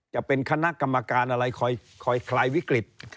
จะเป็นคณะกรรมการอะไรคอยคลายวิกฤต